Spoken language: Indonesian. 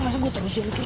masa gue terus mikir